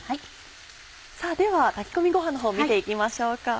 では炊き込みごはんのほう見て行きましょうか。